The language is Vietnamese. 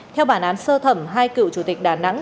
theo bản án sơ thẩm hai cựu chủ tịch đà nẵng